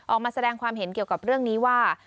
ออกมาแสดงความเห็นเกี่ยวกับเรื่องนี้ว่า